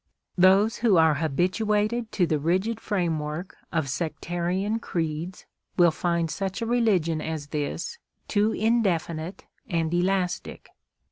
Those who are habituated to the rigid framework of sectarian creeds will find such a religion as this too indefinite and elastic.